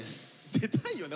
出たいよな！